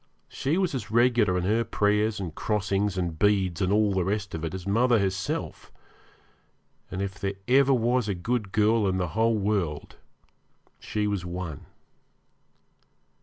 She was as regular in her prayers and crossings and beads and all the rest of it as mother herself, and if there ever was a good girl in the whole world she was one.